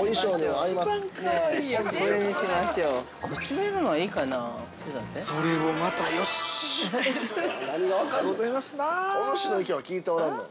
おぬしの意見は聞いておらんのよ。